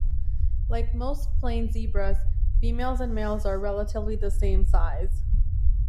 Like most plains zebras, females and males are relatively the same size.